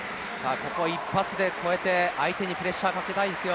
ここは一発で越えて相手にプレッシャーをかけたいですよ。